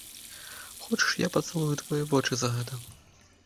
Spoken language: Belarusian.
Хочаш, я пацалую твае вочы за гэта?